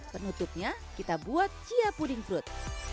penutupnya kita buat chia pudding fruit